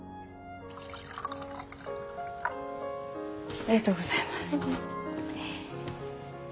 ありがとうございます。